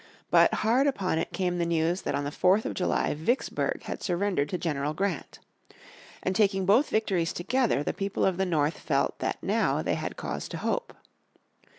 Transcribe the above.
But hard upon it came the news that on the 4th of July Vicksburg had surrendered to General Grant. And taking both victories together the people of the North felt that now they had cause to hope.